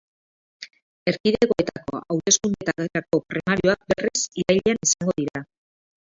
Erkidegoetako hauteskundeetarako primarioak, berriz, irailean izango dira.